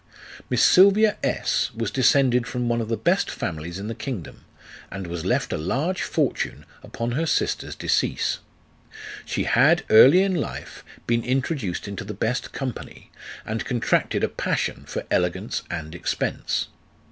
Miss Sylvia S was descended from one of the best families in the kingdom, and was left a large fortune upon her sister's decease. She had early in life been introduced into the best company, and contracted a passion for elegance and expense.